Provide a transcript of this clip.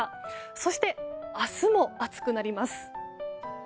そして、明日も暑くなります。